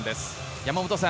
山本さん